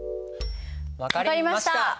分かりました。